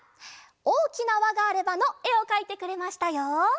「おおきなわがあれば」のえをかいてくれましたよ。